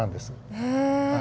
へえ。